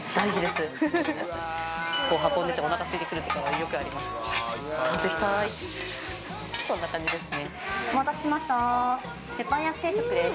運んでてお腹すいてくるとかよくあります。